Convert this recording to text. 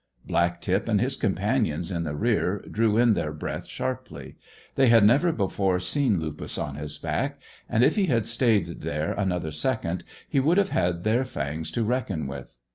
Black tip and his companions in the rear drew in their breath sharply. They had never before seen Lupus on his back, and if he had stayed there another second he would have had their fangs to reckon with.